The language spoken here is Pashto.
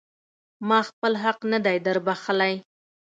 ما خپل حق نه دی در بښلی.